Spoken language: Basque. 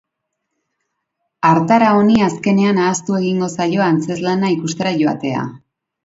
Hartara honi azkenean ahaztu egingo zaio antzezlana ikustera joatea.